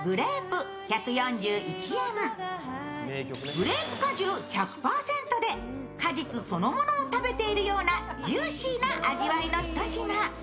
グレープ果汁１００％で果実そのものを食べているようなジューシーな味わいの一品。